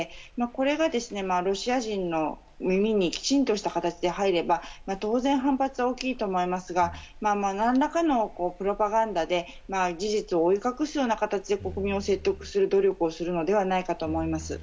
これがロシア人の耳にきちんとした形で入れば当然、反発は大きいと思いますが何らかのプロパガンダで事実を覆い隠すような形で国民を説得する努力をするのではないかと思います。